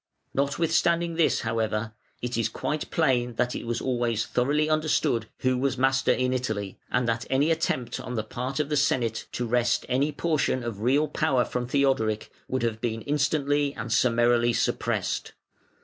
Notwithstanding this, however, it is quite plain that it was always thoroughly understood who was master in Italy, and that any attempt on the part of the Senate to wrest any portion of real power from Theodoric would have been instantly and summarily suppressed.